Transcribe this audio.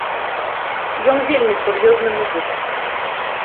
Ён вельмі сур'ёзны музыка!